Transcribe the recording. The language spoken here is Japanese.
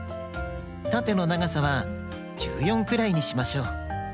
たてのながさは１４くらいにしましょう。